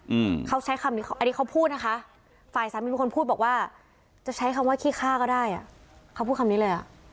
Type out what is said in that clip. อืมเขาใช้คำนี้อันนี้เขาพูดนะคะฝ่ายสามีเป็นคนพูดบอกว่าจะใช้คำว่าขี้ฆ่าก็ได้อ่ะเขาพูดคำนี้เลยอ่ะ